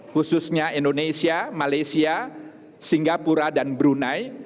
khususnya indonesia malaysia singapura dan brunei